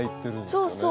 そうそう。